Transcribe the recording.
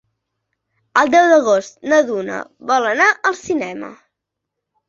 El deu d'agost na Duna vol anar al cinema.